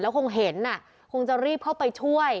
คงเห็นคงจะรีบเข้าไปช่วย